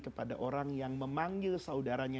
kepada orang yang memanggil saudaranya